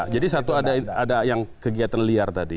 jadi satu ada yang kegiatan liar tadi